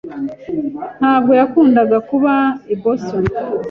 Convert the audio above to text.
ntabwo yakundaga kuba i Boston.